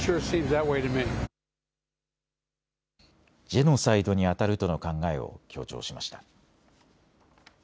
ジェノサイドにあたるとの考えを強調しました。